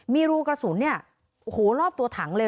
มีรูกระสุนเนี่ยโอ้โหรอบตัวถังเลย